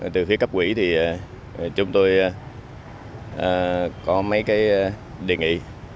từ phía cấp quỹ thì chúng tôi có mấy cái đề nghị